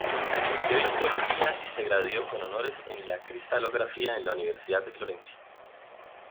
Estudió histología y se graduó con honores en cristalografía en la Universidad de Florencia.